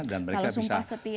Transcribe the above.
kalau sumpah setia